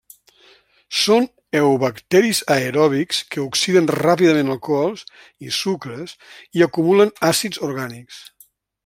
Són eubacteris aeròbics que oxiden ràpidament alcohols i sucres i acumulen àcids orgànics.